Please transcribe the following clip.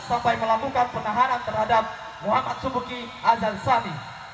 sampai melakukan penahanan terhadap muhammad subuki azal sani